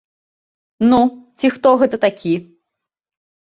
Ну, ці хто гэта такі.